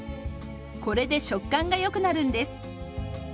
これで食感がよくなるんです。